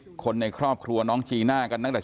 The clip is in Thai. นางนาคะนี่คือยายน้องจีน่าคุณยายถ้าแท้เลย